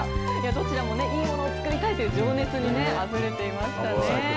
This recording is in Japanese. どちらもいいものを作りたいという情熱にあふれていましたね。